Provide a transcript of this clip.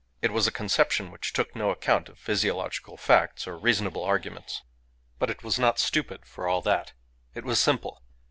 It was a conception which took no account of physiological facts or reasonable arguments; but it was not stupid for all that. It was simple.